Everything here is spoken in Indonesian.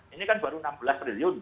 ini kan baru enam belas triliun